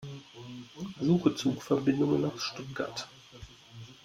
Suche Zugverbindungen nach Stuttgart.